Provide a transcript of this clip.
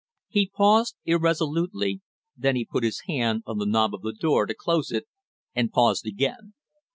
He paused irresolutely, then he put his hand on the knob of the door to close it, and paused again.